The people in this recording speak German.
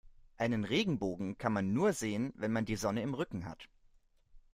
Einen Regenbogen kann man nur sehen, wenn man die Sonne im Rücken hat.